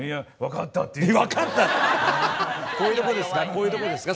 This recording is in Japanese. こういうとこですか？